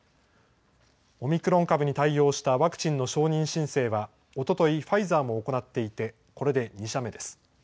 オミクロン株に対応したワクチンの承認申請はおとといファイザーも行っていてこれで２社目です。